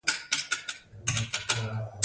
پنځه وخته لمونځ وکړئ